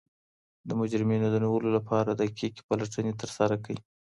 د مجرمینو د نیولو لپاره دقیقې پلټني ترسره کړئ.